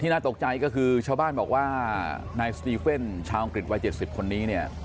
ที่น่าตกใจก็คือชาวบ้านบอกว่านายสติฟเฟนชาวอังกฤษวาย๗๐คนนี้